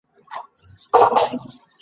نه غواړو چې د ژوند تر پایه.